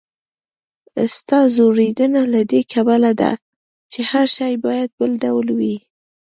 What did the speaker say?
ستا ځوریدنه له دې کبله ده، چې هر شی باید بل ډول وي.